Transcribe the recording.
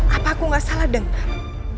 apa aku gak salah dengar